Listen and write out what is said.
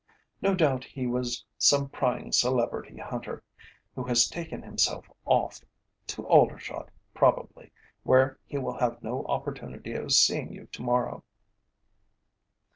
No doubt he was some prying celebrity hunter, who has taken himself off, to Aldershot probably, where he will have no opportunity of seeing you to morrow."